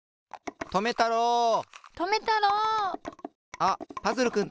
あっパズルくんたち。